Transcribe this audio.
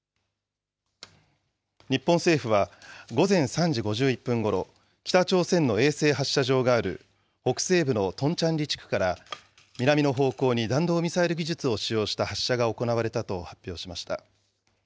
日本政府は、午前３時５１分ごろ、北朝鮮の衛星発射場がある北西部のトンチャンリ地区から、南の方向に弾道ミサイル技術を使用した発射が行われたと発表しました。